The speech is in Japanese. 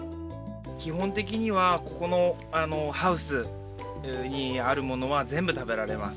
きほんてきにはここのハウスにあるものはぜんぶ食べられます。